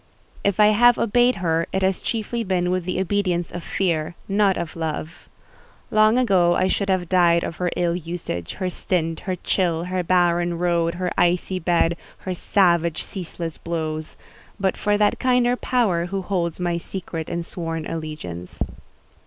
If I have obeyed her it has chiefly been with the obedience of fear, not of love. Long ago I should have died of her ill usage her stint, her chill, her barren board, her icy bed, her savage, ceaseless blows; but for that kinder Power who holds my secret and sworn allegiance.